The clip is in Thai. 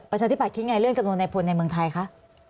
ประชาธิบัตคิดไงเรื่องจำนวนในพลในเมืองไทยคะ